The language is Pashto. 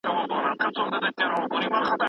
د وروسته پاته والي لاملونه وڅیړل سول.